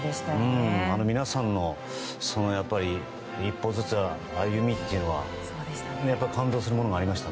皆さんの一歩ずつの歩みというのは感動するものがありました。